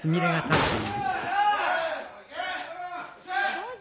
どうぞ。